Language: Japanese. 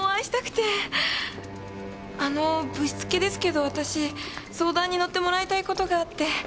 あのぶしつけですけど私相談にのってもらいたいことがあって。